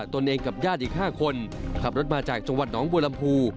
ตนเองกับญาติอีก๕คนขับรถมาจากจังหวัดหนองบัวลำพู